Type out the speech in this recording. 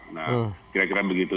nah kira kira begitu